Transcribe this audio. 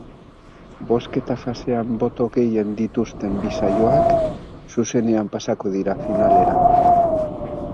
Bozketa-fasean boto gehien dituzten bi saioak zuzenean pasako dira finalera.